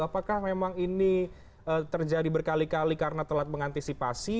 apakah memang ini terjadi berkali kali karena telat mengantisipasi